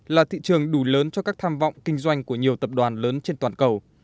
là thị trường đủ lớn cho các tham vọng kinh doanh của nhiều tập đoàn lớn trên toàn cầu